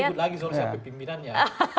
nanti ribut lagi soalnya pimpinannya